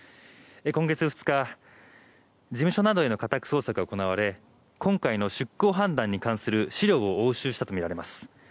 今月２日事務所などへの家宅捜索が行われ今回の出港判断に関する資料を押収したとみられます。